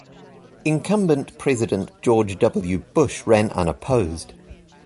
Incumbent President George W. Bush ran unopposed.